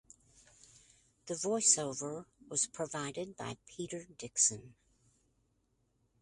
The Voice Over was provided by Peter Dickson.